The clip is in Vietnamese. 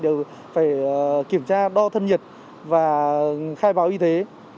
đều phải kiểm tra đo thân nhiệt và khai báo y tế